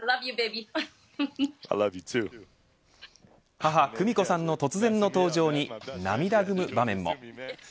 母、久美子さんの突然の登場に涙ぐむ場面も。